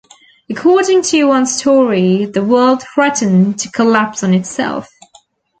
According to one story, the world threatened to collapse on itself.